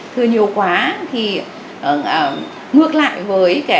thừa nhiều quá thì ngược lại với